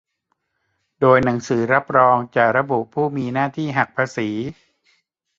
โดยหนังสือรับรองจะระบุผู้มีหน้าที่หักภาษี